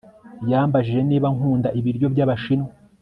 Yambajije niba nkunda ibiryo byAbashinwa